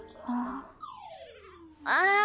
ああ！